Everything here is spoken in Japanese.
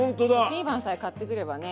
ピーマンさえ買ってくればね